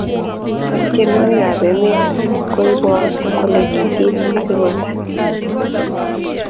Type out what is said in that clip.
tienwokik ap emet koipwaa kolekitit ak imanda